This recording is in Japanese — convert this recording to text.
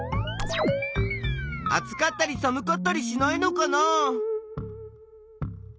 あつかったりさむかったりしないのかな？